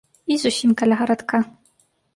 І зусім каля гарадка!